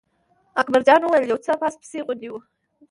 اکبر جان وویل: یو څه پس پسي غوندې و.